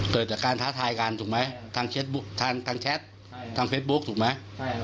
เกิดจากการท้าทายกันถูกไหมทางแชททางเฟซบุ๊คถูกไหม